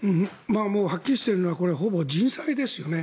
もうはっきりしているのはほぼ人災ですよね。